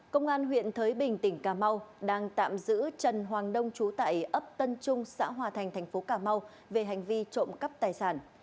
công an huyện thới bình tỉnh cà mau đang tạm giữ trần hoàng đông trú tại ấp tân trung xã hòa thành thành phố cà mau về hành vi trộm cắp tài sản